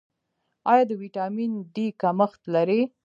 ایا د ویټامین ډي کمښت لرئ؟